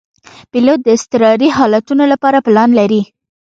پیلوټ د اضطراري حالتونو لپاره پلان لري.